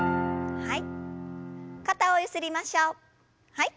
はい。